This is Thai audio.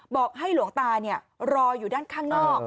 บอกให้หลวงตารออยู่ด้านข้างนอก